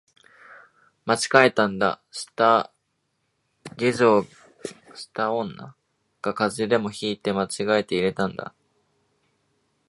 間違えたんだ、下女が風邪でも引いて間違えて入れたんだ